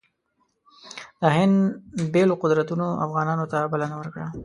د هند بېلو قدرتونو افغانانو ته بلنه ورکړه.